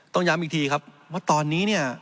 ต้องย้ำอีกทีครับว่าตอนนี้เนี่ย